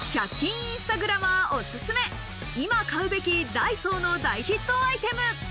インスタグラマーおすすめ、今買うべきダイソーの大ヒットアイテム。